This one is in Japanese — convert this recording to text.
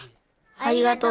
ありがとう。